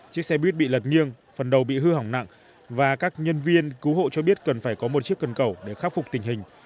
chiếc xe buýt bị lật nghiêng phần đầu bị hư hỏng nặng và các nhân viên cứu hộ cho biết cần phải có một chiếc cân cầu để khắc phục tình hình